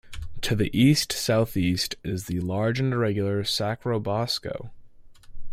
To the east-southeast is the large and irregular Sacrobosco.